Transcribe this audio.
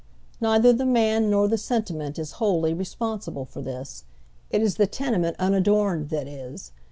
Neither the man nor the sentiment is wholly responsible for this. It is the tenement unadoi'ned that is.